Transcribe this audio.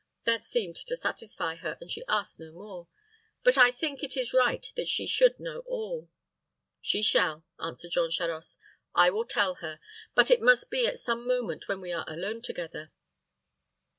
That seemed to satisfy her, and she asked no more. But I think it is right that she should know all." "She shall," answered Jean Charost. "I will tell her; but it must be at some moment when we are alone together."